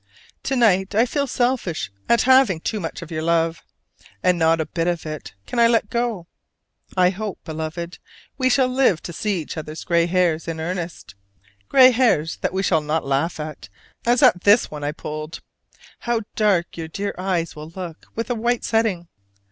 To night I feel selfish at having too much of your love: and not a bit of it can I let go! I hope, Beloved, we shall live to see each other's gray hairs in earnest: gray hairs that we shall not laugh at, as at this one I pulled. How dark your dear eyes will look with a white setting!